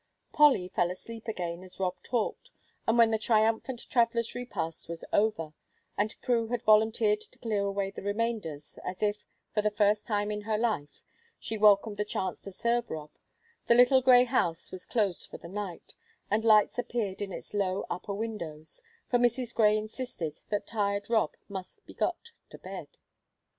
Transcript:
Polly fell asleep again as Rob talked, and when the triumphant traveller's repast was over, and Prue had volunteered to clear away the reminders, as if, for the first time in her life, she welcomed the chance to serve Rob, the little grey house was closed for the night, and lights appeared in its low upper windows, for Mrs. Grey insisted that tired Rob must be got to bed.